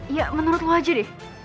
ya menurut lo aja deh